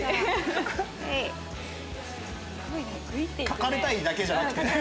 書かれたいだけじゃなくて？